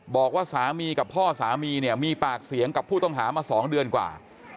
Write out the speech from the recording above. บอกว่าสามีกับพ่อสามีเนี่ยมีปากเสียงกับผู้ต้องหามา๒เดือนกว่า